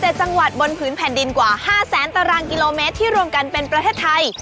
จังหวัดบนผืนแผ่นดินกว่า๕แสนตารางกิโลเมตรที่รวมกันเป็นประเทศไทย